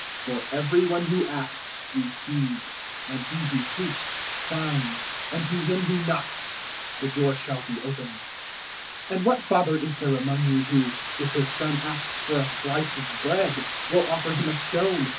011:010 For every one who asks, receives; and he who seeks, finds; and to him who knocks, the door shall be opened. 011:011 And what father is there among you, who, if his son asks for a slice of bread, will offer him a stone?